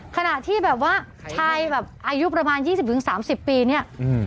ขณะที่แบบว่าชายแบบอายุประมาณ๒๐๓๐ปีเนี่ย